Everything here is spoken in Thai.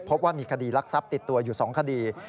พบว่ามีคดีรักทรัพย์ติดตัวอยู่๒คดี